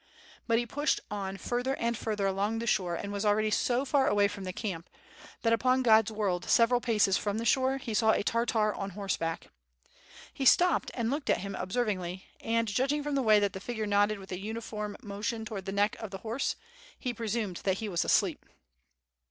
But he pushed on further and further along the shore WITH FIRE AND HWOHD. jjj and was already so far away from the camp, that upon God's world several paces from the shore, he saw a Tartar on horse back. He stopped and looked at him observingly and, judg ing from the way that the figure nodded with a uniform motion towards the neck of the horse, he presumed that he was asleep.